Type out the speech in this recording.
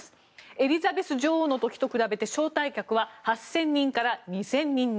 エリザベス女王の時と比べて招待客は８０００人から２０００人に。